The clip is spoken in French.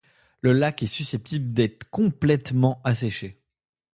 Le lac est susceptible d'être complètement asséché.